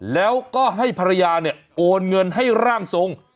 แล้วก็ให้ภรรยาเนี่ยโอนเงินให้ร่างทรง